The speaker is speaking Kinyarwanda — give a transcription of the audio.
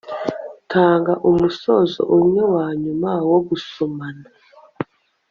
Tanga umusozo umwe wanyuma wo gusomana